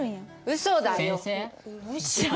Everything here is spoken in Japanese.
うそだよ！